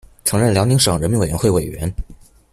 曾任辽宁省人民委员会委员。